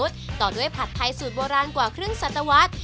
ต่อด้วยผัดไทยสูตรโบราณกว่าครึ่งสัตวรรษ